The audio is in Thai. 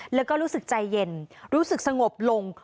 แล้วก็รู้สึกใจเย็นรู้สึกสงบลง